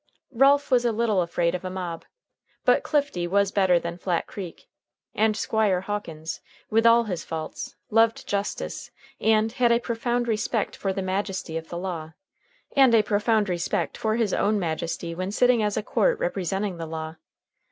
Ralph was a little afraid of a mob. But Clifty was better than Flat Creek, and Squire Hawkins, with all his faults, loved justice, and had a profound respect for the majesty of the law, and a profound respect for his own majesty when sitting as a court representing the law.